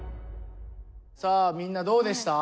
さあみんなどうでした？